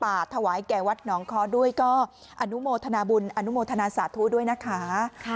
ถวายแก่วัดหนองคอด้วยก็อนุโมทนาบุญอนุโมทนาสาธุด้วยนะคะ